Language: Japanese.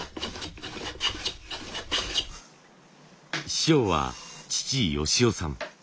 師匠は父喜夫さん。